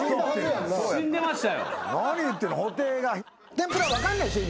天ぷら分かんないでしょ？